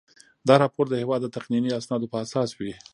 دا راپور د هیواد د تقنیني اسنادو په اساس وي.